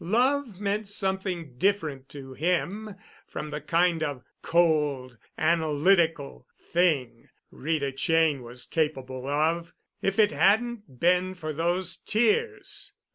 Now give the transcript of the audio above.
Love meant something different to him from the kind of cold, analytical thing Rita Cheyne was capable of. If it hadn't been for those tears!